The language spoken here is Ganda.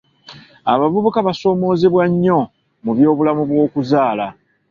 Abavubuka basoomozebwa nnyo mu by'obulamu bw'okuzaala.